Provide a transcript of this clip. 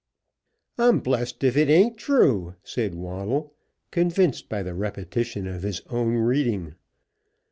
"I'm blessed if it ain't true," said Waddle, convinced by the repetition of his own reading.